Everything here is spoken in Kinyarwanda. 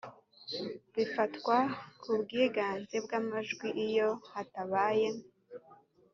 bifatwa ku bwiganze bw ‘amajwi iyo hatabaye .